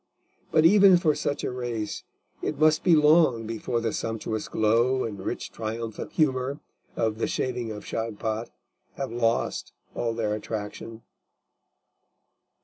But even for such a race it must be long before the sumptuous glow and rich triumphant humour of The Shaving of Shagpat have lost all their attraction.